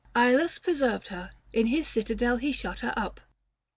Ilus preserved her ; in his citadel 505 He shut her up.